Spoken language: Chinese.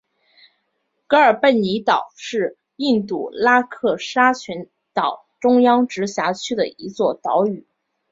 格尔贝尼岛是印度拉克沙群岛中央直辖区的一座岛屿。